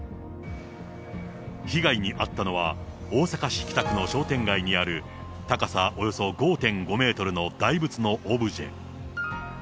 被害に遭ったのは、大阪市北区の商店街にある高さおよそ５．５メートルの大仏のオブジェ。